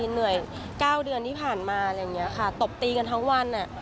เหนื่อย๙เดือนที่ผ่านมาอะไรอย่างนี้ค่ะตบตีกันทั้งวันอ่ะ